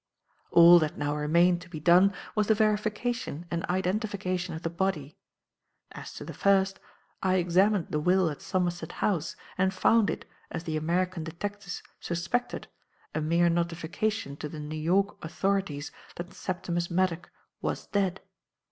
"All that now remained to be done was the verification and identification of the body. As to the first, I examined the will at Somerset House and found it, as the American detectives suspected, a mere notification to the New York authorities that Septimus Maddock was dead.